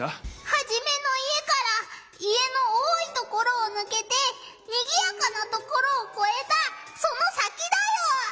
ハジメの家から家の多いところをぬけてにぎやかなところをこえたその先だよ！